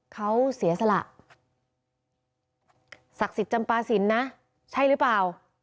เขาเสียสละศักดิ์สิทธิ์จำปาศิลป์นะใช่หรือเปล่า